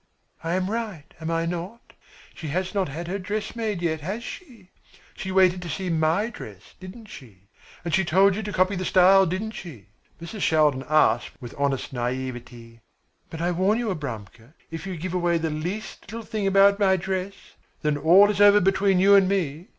"I am right, am I not? She has not had her dress made yet, has she? She waited to see my dress, didn't she? And she told you to copy the style, didn't she?" Mrs, Shaldin asked with honest naïveté. "But I warn you, Abramka, if you give away the least little thing about my dress, then all is over between you and me.